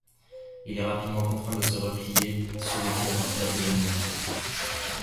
Il est rapidement contraint de se replier sous les tirs d'enfilade de l'ennemi.